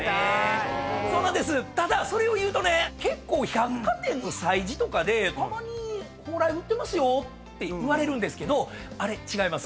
ただそれを言うとね結構百貨店の催事とかでたまに蓬莱売ってますよって言われるんですけどあれ違います。